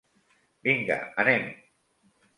Vinga, anem!